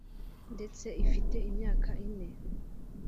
ndetse ifite imyaka ine